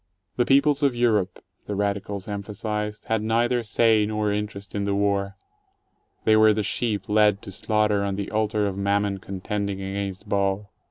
The peo ples of Europe, the radicals emphasized, had neither say nor interest in the war: they were the sheep led to slaughter on the altar of Mammon contending against Baal.